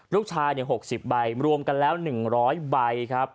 ลูกชาย๖๐ใบรวมกันแล้ว๑๐๐ใบครับ